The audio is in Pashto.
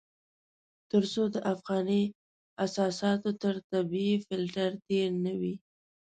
تر څو د افغاني اساساتو تر طبيعي فلټر تېر نه وي.